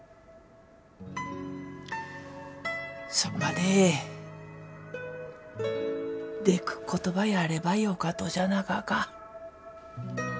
それまででくっことばやればよかとじゃなかか。